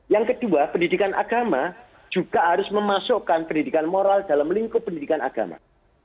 yang kedua pendidikan agama juga harus memasukkan pendidikan moral dalam lingkup pendidikan agama